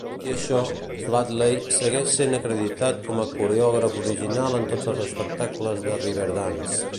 Tot i això, Flatley segueix sent acreditat com a coreògraf original en tots els espectacles de Riverdance.